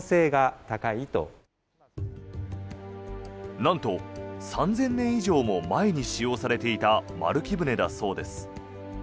なんと３０００年以上も前に使用されていた丸木舟だそうです。